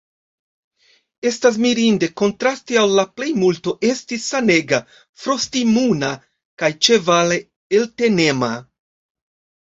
Estas mirinde, kontraste al la plejmulto, esti sanega, frost-imuna kaj ĉevale eltenema.